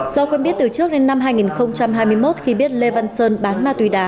do quen biết từ trước đến năm hai nghìn hai mươi một khi biết lê văn sơn bán ma túy đá